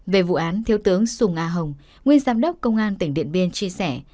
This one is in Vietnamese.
về vụ án thiếu tướng sùng a hồng nguyên giám đốc công an tỉnh điện biên chia sẻ